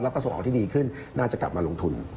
แล้วก็ส่งออกที่ดีขึ้นน่าจะกลับมาลงทุน